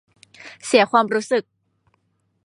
เสียความรู้สึก